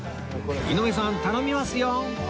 井上さん頼みますよ！